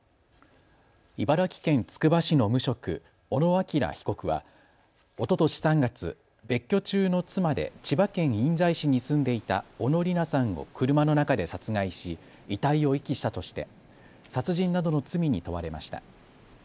茨城県つくば市の無職、小野陽被告はおととし３月、別居中の妻で千葉県印西市に住んでいた小野理奈さんを車の中で殺害し遺体を遺棄したとして殺人などの罪に問われました。